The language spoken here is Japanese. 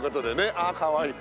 ああかわいい。